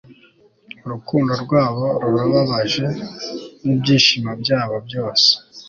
urukundo rwabo rubabaje nibyishimo byabo byose